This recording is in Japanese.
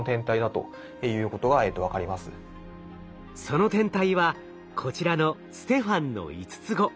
その天体はこちらのステファンの５つ子。